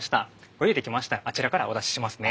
ご用意できましたらあちらからお出ししますね。